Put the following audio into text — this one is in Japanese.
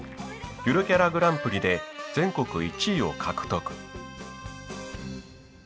ゆるキャラグランプリで全国１位を獲得。